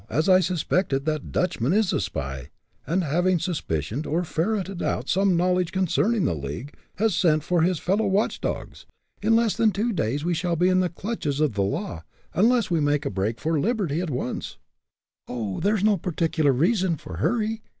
As I suspected, that Dutchman is a spy, and having suspicioned or ferreted out some knowledge concerning the league, has sent for his fellow watch dogs. In less than two days we shall be in the clutches of the law, unless we make a break for liberty at once." "Oh! there is no particular reason for hurry.